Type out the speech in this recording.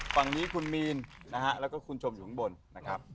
ฝั่งนี้คุณมีนนะฮะแล้วก็คุณชมอยู่ข้างบนนะครับ